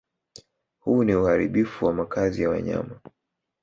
Huu ni uharibifu wa makazi ya wanyama